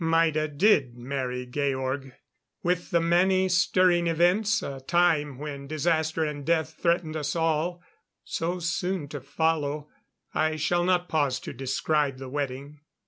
Maida did marry Georg. With the many stirring events a time when disaster and death threatened us all so soon to follow, I shall not pause to describe the wedding.